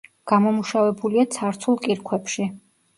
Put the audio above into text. გამომუშავებულია ცარცულ კირქვებში.